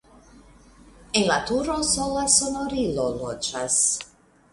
En la turo sola sonorilo loĝas.